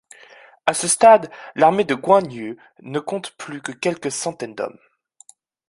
À ce stade, l'armée de Guan Yu ne compte plus que quelques centaines d’hommes.